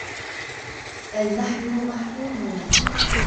بَل نَحنُ مَحرومونَ